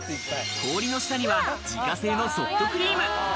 氷の下には自家製のソフトクリーム。